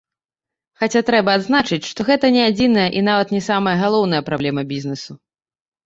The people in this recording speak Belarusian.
Хаця трэба адзначыць, што гэта не адзіная і нават не самая галоўная праблема бізнесу.